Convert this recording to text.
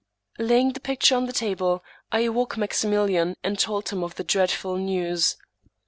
Laying the picture on the table, I awoke Maximilian , and told him of the dreadful news.